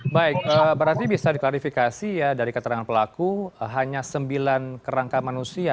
baik berarti bisa diklarifikasi ya dari keterangan pelaku hanya sembilan kerangka manusia